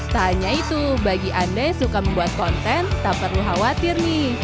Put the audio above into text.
tak hanya itu bagi anda yang suka membuat konten tak perlu khawatir nih